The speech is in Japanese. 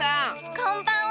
こんばんは！